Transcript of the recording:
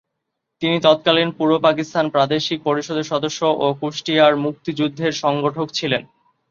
তিনি তৎকালীন পূর্বপাকিস্তান প্রাদেশিক পরিষদের সদস্য ও কুষ্টিয়ার মুক্তিযুদ্ধের সংগঠক ছিলেন।